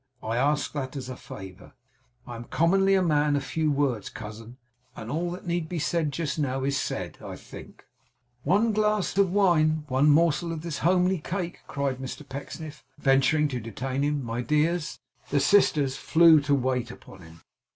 I ask that as a favour. I am commonly a man of few words, cousin; and all that need be said just now is said, I think.' 'One glass of wine one morsel of this homely cake?' cried Mr Pecksniff, venturing to detain him. 'My dears !' The sisters flew to wait upon him.